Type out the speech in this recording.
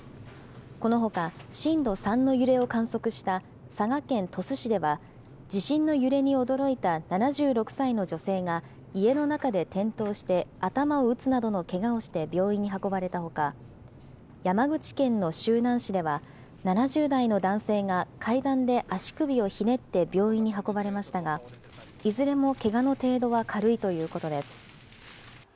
このほか、震度３の揺れを観測した佐賀県鳥栖市では、地震の揺れに驚いた７６歳の女性が家の中で転倒して、頭を打つなどのけがをして病院に運ばれたほか、山口県の周南市では、７０代の男性が、階段で足首をひねって病院に運ばれましたが、いずれもけがの程度は軽いということです。